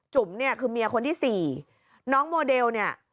จุ๋มเนี่ยคือเมียคนที่สี่น้องโมเดลเนี่ย